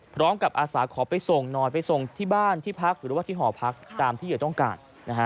อาสาขอไปส่งหน่อยไปส่งที่บ้านที่พักหรือว่าที่หอพักตามที่เหยื่อต้องการ